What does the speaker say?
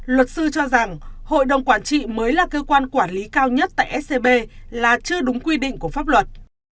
luật sư cho rằng hội đồng quản trị mới là cơ quan quản lý cao nhất tại scb là chưa đúng quy định của pháp luật